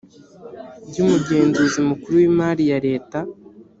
by umugenzuzi mukuru w imari ya leta